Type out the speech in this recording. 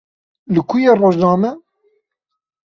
Li ku ye rojname?